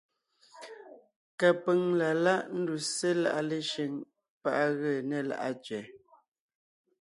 Kapʉ̀ŋ la láʼ ńduse láʼa Leshʉŋ pá ʼ á gee né Láʼa tsẅɛ.